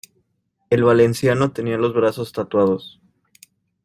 El valenciano tenía los brazos tatuados.